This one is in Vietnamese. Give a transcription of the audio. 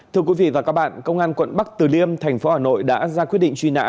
thưa quý vị và các bạn công an quận bắc từ liêm thành phố hà nội đã ra quyết định truy nã